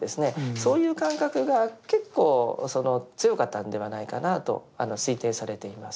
そういう感覚が結構強かったんではないかなと推定されています。